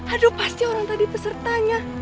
aduh pasti orang tadi pesertanya